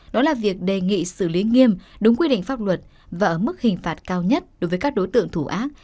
đó là việc đề nghị xử lý nghiêm đúng quy định pháp luật và ở mức hình phạt cao nhất đối với các đối tượng thủ ác